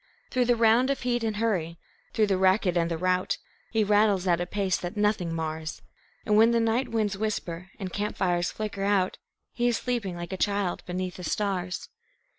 Through the round of heat and hurry, through the racket and the rout, He rattles at a pace that nothing mars; And when the night winds whisper and camp fires flicker out, He is sleeping like a child beneath the stars.